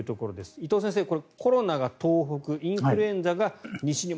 伊藤先生、コロナが東北インフルエンザが西日本。